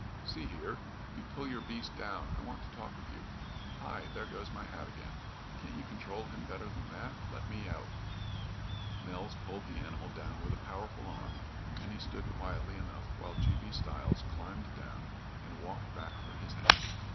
"See here! You pull your beast down, I want to talk with you. Hi! There goes my hat again. Can't you control him better than that? Let me out." Nels pulled the animal down with a powerful arm, and he stood quietly enough while G. B. Stiles climbed down and walked back for his hat.